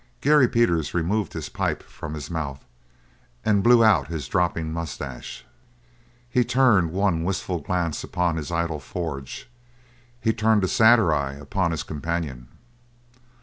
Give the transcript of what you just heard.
Gary Peters removed his pipe from his mouth and blew out his dropping moustaches. He turned one wistful glance upon his idle forge; he turned a sadder eye upon his companion.